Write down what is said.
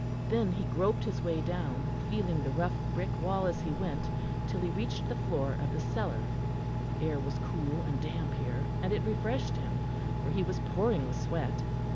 Then he groped his way down, feeling the rough brick wall as he went, till he reached the floor of the cellar. The air was cool and damp here, and it refreshed him, for he was pouring with sweat.